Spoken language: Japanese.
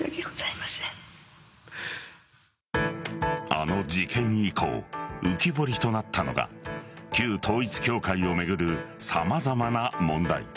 あの事件以降浮き彫りとなったのが旧統一教会を巡る様々な問題。